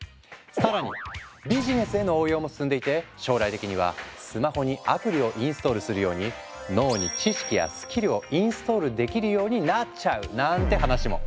更にビジネスへの応用も進んでいて将来的にはスマホにアプリをインストールするように脳に知識やスキルをインストールできるようになっちゃうなんて話も。